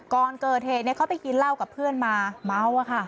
ก่อนเกิดเหตุเขาไปกินเหล้ากับเพื่อนมาเมาอะค่ะ